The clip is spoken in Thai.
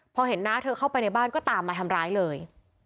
พอเห็นน้าเธอเข้าไปในบ้านก็ตามมาทำร้ายเลย